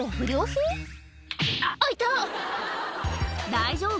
「大丈夫？